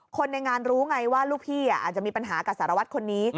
คนในงานรู้ไงว่าลูกพี่อาจจะมีปัญหากับสารวัตรคนนี้